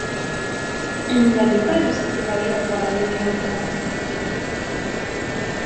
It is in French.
Il n'y avait pas de cité majeur dans la région durant l'Antiquité.